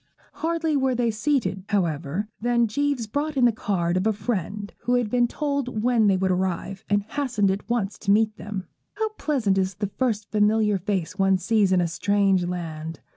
Hardly were they seated, however, than Jeames brought in the card of a friend who had been told when they would arrive, and hastened at once to meet them. How pleasant is the first familiar face one sees in a strange land!